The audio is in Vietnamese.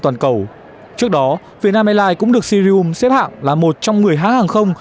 toàn cầu trước đó vietnam airlines cũng được xirium xếp hạng là một trong người hãng hàng không